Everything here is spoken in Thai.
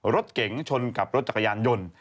รถเก๋งชนกับรถจักรยานยนต์